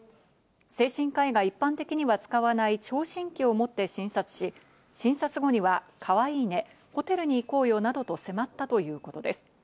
精神科医が一般的には使わない聴診器を持って診察し、診察後には、かわいいね、ホテルに行こうよなどと迫ったということです。